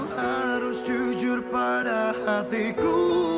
harus jujur pada hatiku